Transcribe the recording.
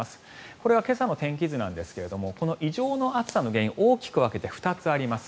これは今朝の天気図ですがこの異常な暑さの原因大きく分けて２つあります。